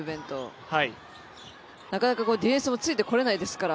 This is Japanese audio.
なかなかディフェンスもついてこれないですから。